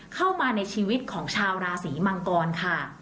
เข้ามาในชีวิตของชาวราศีมังกรค่ะ